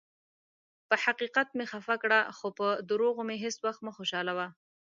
پۀ حقیقت مې خفه کړه، خو پۀ دروغو مې هیڅ ؤخت مه خوشالؤه.